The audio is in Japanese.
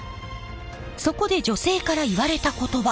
そこで女性から言われた言葉。